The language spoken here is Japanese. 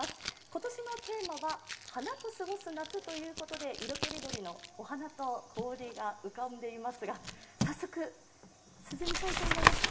今年のテーマは、花と過ごす夏ということで、色とりどりのお花と氷が浮かんでいますが早速、涼みたいと思います。